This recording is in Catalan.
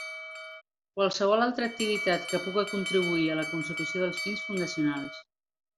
Qualsevol altra activitat que puga contribuir a la consecució dels fins fundacionals.